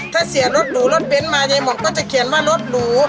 ถ้าเสียรถหรูรถเบ้นมายายหมกก็จะเขียนว่ารถหรู